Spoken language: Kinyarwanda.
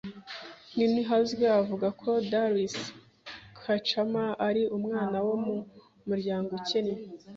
Nininahazwe avuga ko Darcy Kacaman ari umwana wo mu muryango ukennye